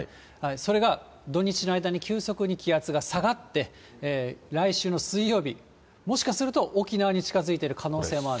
それが土日の間に急速に気圧が下がって、来週の水曜日、もしかすると沖縄に近づいている可能性もある。